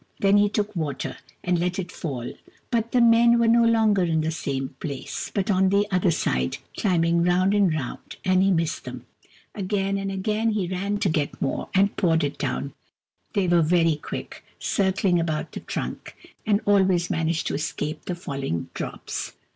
Then he took water, and let it fall — but the men were no longer in the same place, but on the other side, climbing round and round, and he missed them. Again and again he ran to get more, and poured it down ; they were very quick, circling about the trunk, and always man aged to escape the falling drops.